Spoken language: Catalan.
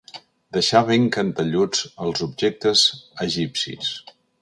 Deixar ben cantelluts els objectes egipcis.